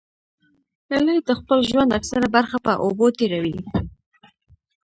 هیلۍ د خپل ژوند اکثره برخه په اوبو تېروي